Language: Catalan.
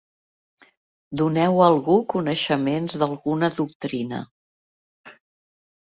Doneu a algú coneixements d'alguna doctrina.